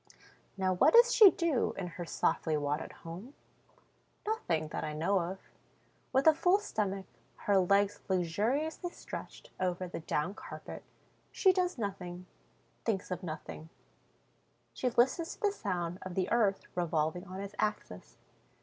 Now what does she do in her softly wadded home? Nothing, that I know of. With a full stomach, her legs luxuriously stretched over the down carpet, she does nothing, thinks of nothing; she listens to the sound of the earth revolving on its axis.